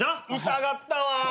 疑ったわ。